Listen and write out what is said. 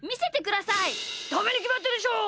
ダメにきまってるでしょ！